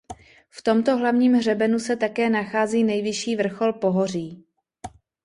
V tomto hlavním hřebenu se také nachází nejvyšší vrchol pohoří.